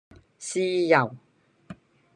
豉油